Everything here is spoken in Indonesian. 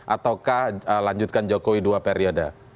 ataukah lanjutkan jokowi dua periode